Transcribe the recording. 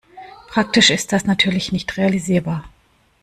Praktisch ist das natürlich nicht realisierbar.